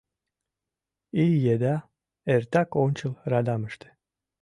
Ий еда эртак ончыл радамыште.